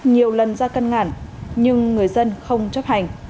nhiều lần ra cân ngản nhưng người dân không chấp hành